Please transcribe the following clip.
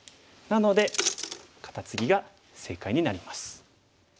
なのでカタツギが正解になります。